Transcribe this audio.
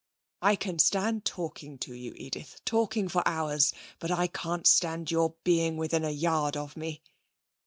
'I can stand talking to you, Edith. Talking, for hours. But I can't stand your being within a yard of me.'